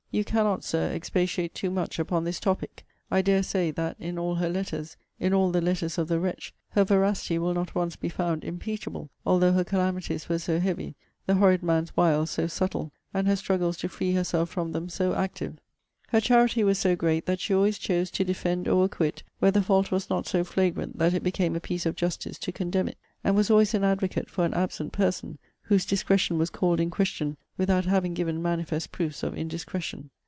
You cannot, Sir, expatiate too much upon this topic. I dare say, that in all her letters, in all the letters of the wretch, her veracity will not once be found impeachable, although her calamities were so heavy, the horrid man's wiles so subtle, and her struggles to free herself from them so active. Her charity was so great, that she always chose to defend or acquit where the fault was not so flagrant that it became a piece of justice to condemn it; and was always an advocate for an absent person, whose discretion was called in question, without having given manifest proofs of indiscretion.